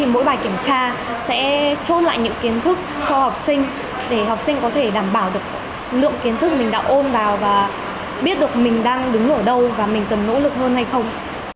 mỗi bài kiểm tra sẽ trôn lại những kiến thức cho học sinh để học sinh có thể đảm bảo được lượng kiến thức mình đã ôn vào và biết được mình đang đứng ở đâu và mình cần nỗ lực hơn hay không